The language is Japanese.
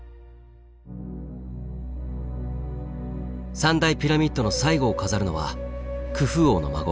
３大ピラミッドの最後を飾るのはクフ王の孫